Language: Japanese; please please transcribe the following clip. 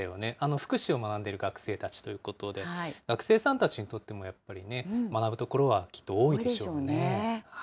福祉を学んでいる学生たちということで、学生さんたちにとっても、やっぱりね、学ぶところはきっと多いでしょうね。